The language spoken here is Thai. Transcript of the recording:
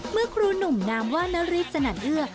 เมื่อครูหนุ่มนามว่านาริสนั่นเอื้อ